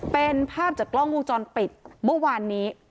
เป็นภาพจากกล้องวงจรปิดเมื่อวานนี้